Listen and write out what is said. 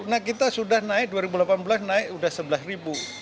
nah kita sudah naik dua ribu delapan belas naik sudah sebelas ribu